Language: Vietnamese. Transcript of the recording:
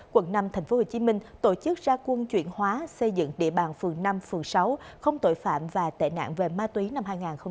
quận năm tp hcm tổ chức ra quân chuyển hóa xây dựng địa bàn phường năm phường sáu không tội phạm và tệ nạn về ma túy năm hai nghìn hai mươi ba